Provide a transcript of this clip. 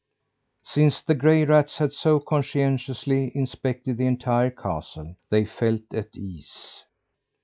Since the gray rats had so conscientiously inspected the entire castle, they felt at ease.